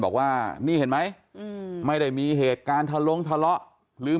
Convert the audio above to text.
บอกว่านี่เห็นไหมอืมไม่ได้มีเหตุการณ์ทะลงทะเลาะหรือ